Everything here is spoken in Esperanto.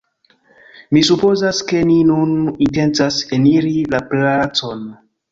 Mi supozas, ke ni nun intencas eniri la palacon